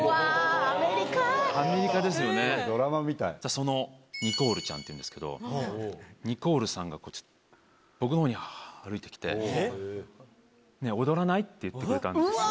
そのニコールちゃんっていうんですけどニコールさんが僕のほうに歩いてきて。って言ってくれたんですよ。